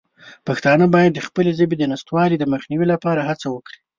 پښتانه باید د خپلې ژبې د نشتوالي د مخنیوي لپاره هڅه وکړي.